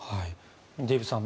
デーブさん